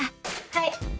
はい。